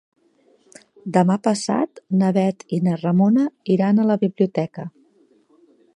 Demà passat na Bet i na Ramona iran a la biblioteca.